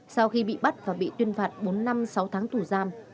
sau khi bị bắt và bị tuyên phạt bốn năm sáu tháng tù giam